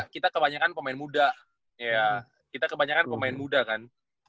kita kebanyakan pemain muda kita kebanyakan pemain muda kan